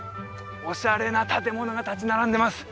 オシャレな建物が立ち並んでます